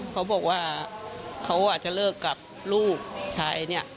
เขาบอกว่าเขาอาจจะเลิกกับลูกชายเนี่ย